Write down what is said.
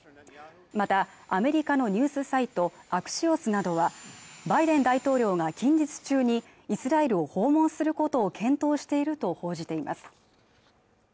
またアメリカのニュースサイトアクシオスなどはバイデン大統領が近日中にイスラエルを訪問することを検討していると報じています